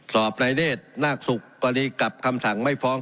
สอบนายเนธนาคศุกร์กรณีกลับคำสั่งไม่ฟ้อง